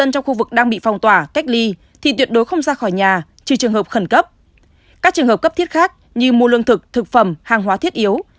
cấp thiết khác như mua lương thực thực phẩm hàng hóa thiết yếu